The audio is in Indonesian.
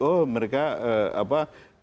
oh mereka apa